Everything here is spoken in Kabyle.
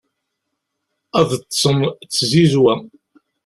ad ṭṭsen d tzizwa